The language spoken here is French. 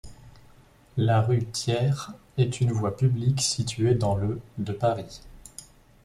La rue Thiers est une voie publique située dans le de Paris.